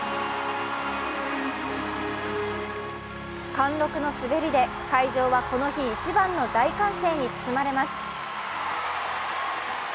貫禄の滑りで会場はこの日一番の大歓声に包まれます。